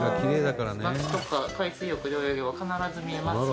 「夏とか海水浴で泳げば必ず見れます」